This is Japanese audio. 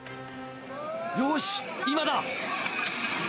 よーし、今だ。